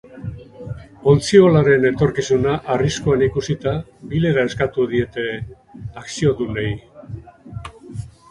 Ontziolaren etorkizuna arriskuan ikusita, bilera eskatu diete akziodunei.